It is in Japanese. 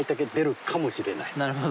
なるほど。